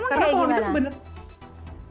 sekarang banyak banget sama wisatawannya ya